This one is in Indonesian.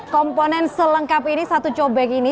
komponen selengkap ini satu cobek ini